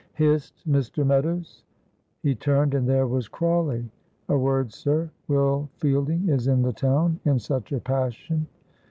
"Hist! Mr. Meadows." He turned, and there was Crawley. "A word, sir. Will Fielding is in the town, in such a passion."